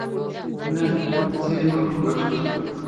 نه، یو څه یې نور هم غټ کړه.